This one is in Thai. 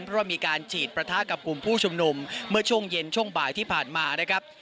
เพราะว่ามีการฉีดประทะกับกลุ่มผู้ชุมนุมเมื่อช่วงเย็นช่วงบ่ายที่ผ่านมานะครับ